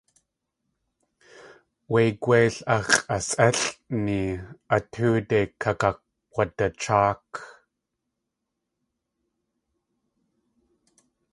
Wé gwéil ax̲ʼasʼélʼni a tóode kakk̲wadacháak.